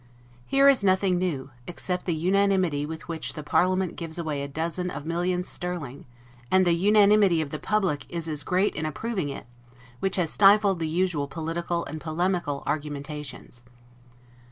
Here is nothing new, except the unanimity with which the parliament gives away a dozen of millions sterling; and the unanimity of the public is as great in approving of it, which has stifled the usual political and polemical argumentations.